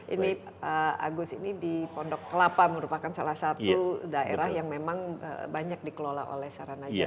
ini agus ini di pondok kelapa merupakan salah satu daerah yang memang banyak dikelola oleh sarana jalan